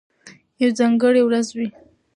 یوه ځانګړې ورځ وي،